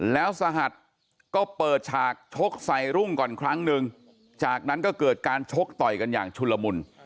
แล้วสหัสก็เปิดฉากชกใส่รุ่งก่อนครั้งหนึ่งจากนั้นก็เกิดการชกต่อยกันอย่างชุลมุน